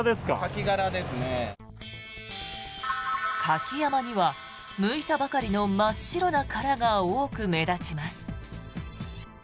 カキ山には、むいたばかりの真っ白な殻が多く目立ちます。